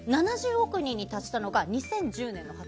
７０億人に達したのが２０１０年。